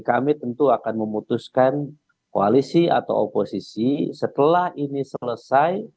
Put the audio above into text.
kami tentu akan memutuskan koalisi atau oposisi setelah ini selesai